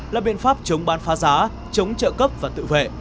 là biện pháp chống bán phá giá chống trợ cấp và tự vệ